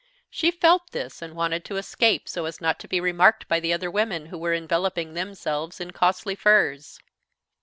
She felt this and wanted to escape so as not to be remarked by the other women, who were enveloping themselves in costly furs.